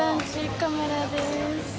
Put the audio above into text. カメラです